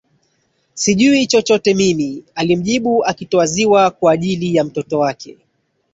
Sijui chochote mimi alimjibu akitoa ziwa kwa ajili ya mtoto wake